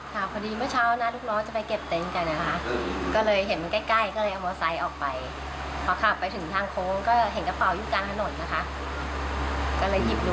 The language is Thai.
ตัวบอกพี่เขาเพราะว่า